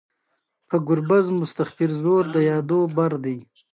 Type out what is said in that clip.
جانداد د ښو خبرو سیوری دی.